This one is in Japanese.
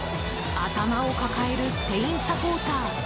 頭を抱えるスペインサポーター。